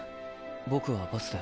僕はバスで。